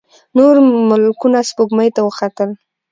نور ملکونه سپوږمۍ ته وختل.